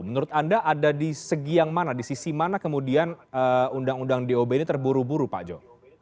menurut anda ada di segi yang mana di sisi mana kemudian undang undang dob ini terburu buru pak jo